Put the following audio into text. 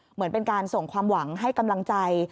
เหมือนเป็นการส่งความหวังให้กำลังใจ